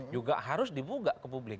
juga harus dibuka ke publik